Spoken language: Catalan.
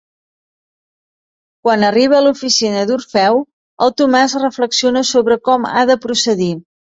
Quan arriba a l'oficina d'Orfeu, el Tomàs reflexiona sobre com ha de procedir.